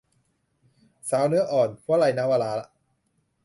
สาวเนื้ออ่อน - วลัย นวาระ